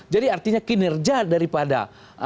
jadi artinya kinerja daripada